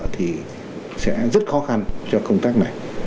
thì sẽ rất khó khăn cho công tác này